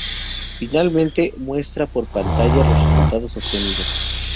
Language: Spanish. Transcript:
Finalmente muestra por pantalla los resultados obtenidos.